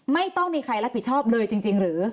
ไม่ต้องมีใครรับผิดชอบเลยจริงหรือ